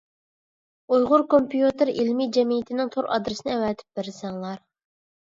ئۇيغۇر كومپيۇتېر ئىلمى جەمئىيىتىنىڭ تور ئادرېسىنى ئەۋەتىپ بەرسەڭلار.